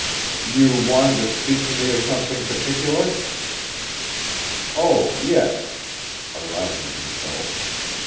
"You wanted to speak to me of something particular?" "Oh, yes," arousing himself.